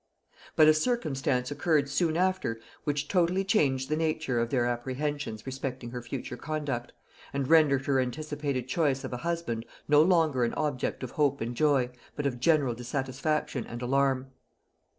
But a circumstance occurred soon after which totally changed the nature of their apprehensions respecting her future conduct, and rendered her anticipated choice of a husband no longer an object of hope and joy, but of general dissatisfaction and alarm.